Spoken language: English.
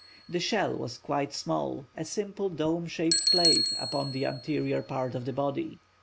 The shell was quite small, a simple dome shaped plate upon the anterior part of the body.